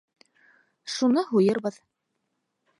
Шуны һуйырбыҙ.